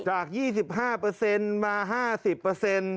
จาก๒๕เปอร์เซ็นต์มา๕๐เปอร์เซ็นต์